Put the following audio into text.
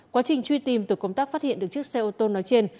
quá trình truy tìm tổ công tác phát hiện được chiếc xe ô tô nói trên